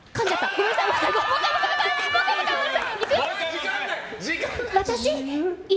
ごめんなさい！